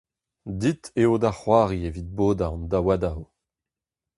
Dit eo da c'hoari evit bodañ an daouadoù !